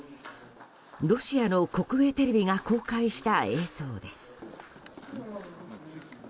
ロシアの国営テレビが公開した映像です。